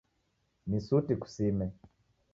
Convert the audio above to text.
Ni suti kusime.